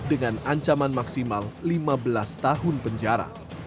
dengan ancaman maksimal lima belas tahun penjara